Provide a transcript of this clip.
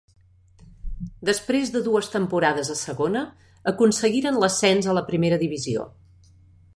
Després de dues temporades a segona, aconseguiren l'ascens a la Primera divisió.